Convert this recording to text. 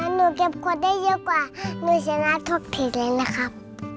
หนูเก็บขวดได้เยอะกว่าหนูชนะทุกทีเลยนะครับ